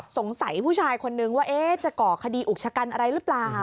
สงสัยผู้ชายคนนึงว่าจะก่อคดีอุกชะกันอะไรหรือเปล่า